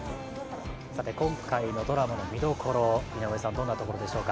今回のドラマの見どころどんなところでしょうか？